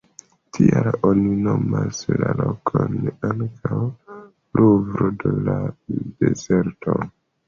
Tial oni nomas la lokon ankaŭ ""Luvro de la dezerto"".